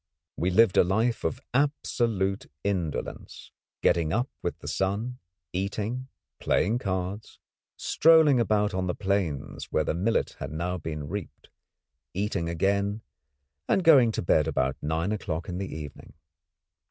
We lived a life of absolute indolence, getting up with the sun, eating, playing cards, strolling about on the plains where the millet had now been reaped, eating again and going to bed about nine o'clock in the evening.